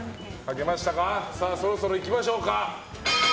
そろそろ行きましょうか。